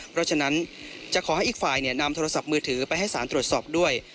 เพราะฉะนั้นจะขอให้อีกฝ่ายนำโทรศัพท์มือถือไปให้สารตรวจสอบด้วย